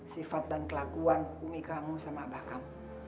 sifat dan kelakuan bumi kamu sama abah kamu